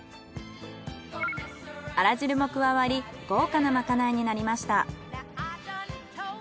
あら汁も加わり豪華なまかないになりました。